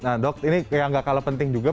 nah dok ini kayak nggak kalah penting juga